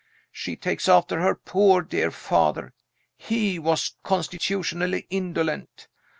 She takes after her poor dear father. He was constitutionally indolent.